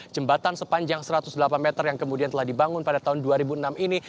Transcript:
jembatan sepanjang satu ratus delapan meter yang kemudian telah dibangun pada tahun dua ribu enam ini